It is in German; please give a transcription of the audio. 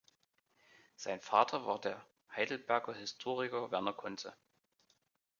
Sein Vater war der Heidelberger Historiker Werner Conze.